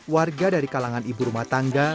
warga dari kalangan ibu rumah tangga